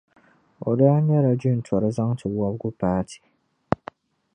O daa nyɛla jintɔra zaŋti wɔbigu paati.